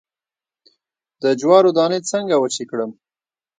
د جوارو دانی څنګه وچې کړم؟